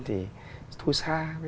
thì thu xa